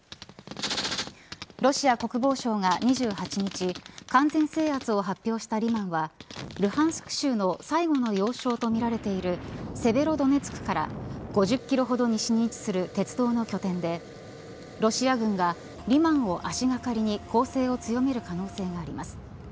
ロシア国防省が２８日完全制圧を発表したリマンはルハンスク州の最後の要衝とみられているセベロドネツクから５０キロほど西に位置する鉄道の拠点でロシア軍が、リマンを足掛かりに攻勢を強める可能性があります。